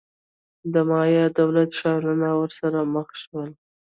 د مایا دولت-ښارونه ورسره مخ شول.